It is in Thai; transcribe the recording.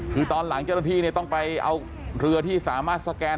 คือตอนหลังเจ้าหน้าที่ต้องไปเอาเรือที่สามารถสแกน